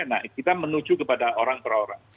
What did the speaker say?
nah kita menuju kepada orang per orang